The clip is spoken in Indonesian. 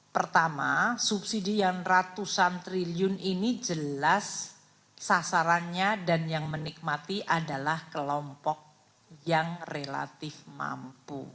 pertama subsidi yang ratusan triliun ini jelas sasarannya dan yang menikmati adalah kelompok yang relatif mampu